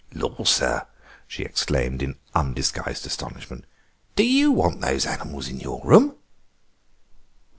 "Lor, sir," she exclaimed in undisguised astonishment, "do you want those animals in your room?"